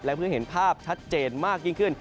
เพื่อเห็นภาพชัดเจนมากยิ่งขึ้น